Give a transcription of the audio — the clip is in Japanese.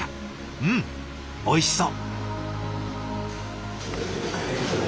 うんおいしそう。